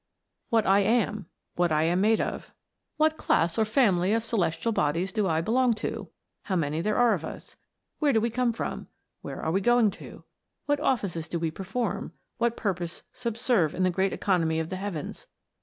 WHAT I am 1 What I am made of? What class or family of celestial bodies do I belong to ? How many there are of us 1 Where do we come from 1 Where are we going to ? What offices do we perform what purpose subserve in the great economy of the heavens